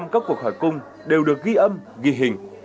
một trăm linh các cuộc hỏi cung đều được ghi âm ghi hình